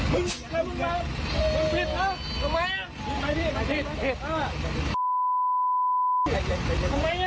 มึงผิดแล้วมึงผิดแล้ว